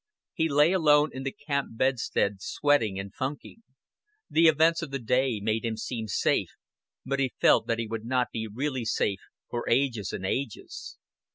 He lay alone in the camp bedstead sweating and funking. The events of the day made him seem safe, but he felt that he would not be really safe for ages and ages.